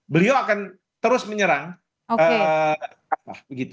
beliau akan terus menyerang